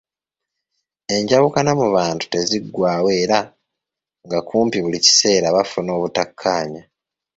Enjawukana mu bantu teziggwaawo era nga kumpi buli kiseera bafuna obutakkaanya.